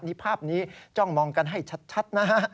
นี่ภาพนี้จ้องมองกันให้ชัดนะฮะ